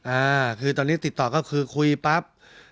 อ่าคือตอนนี้ติดต่อก็คือคุยปั๊บ